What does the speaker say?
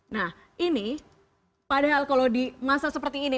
nah ini padahal kalau di masa seperti ini